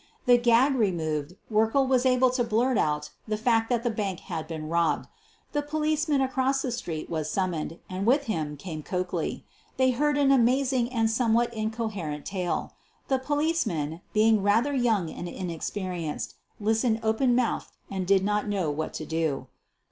The gag removed, Werkle was able to blurt out the fact that the bank had been robbed. The police man across the street was summoned, and with him came Coakley. They heard an amazing and some what incoherent tale. The policeman, being rather young and inexperienced, listened open mouthed and did not know what to do.